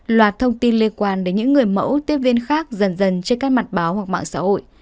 loạt thông tin liên quan đến những người mẫu tiếp viên khác dần dần trên các mặt báo hoặc mạng xã hội